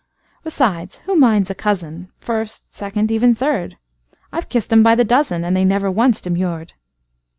Besides, who minds a cousin? First, second, even third,—I 've kissed 'em by the dozen, And they never once demurred.